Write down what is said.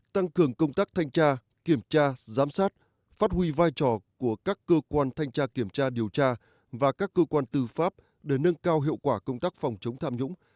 tăng cường công tác thanh tra kiểm tra giám sát phát huy vai trò của các cơ quan thanh tra kiểm tra điều tra và các cơ quan tư pháp để nâng cao hiệu quả công tác phòng chống tham nhũng